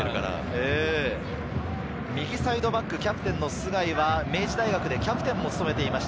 右サイドバック、キャプテン・須貝は明治大学でキャプテンを務めていました。